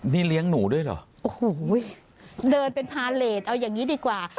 นี่เลี้ยงหนูด้วยเหรอโอ้โหเดินเป็นพาเลสเอาอย่างนี้ดีกว่า